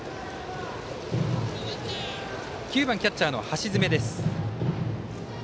９番キャッチャーの橋爪です。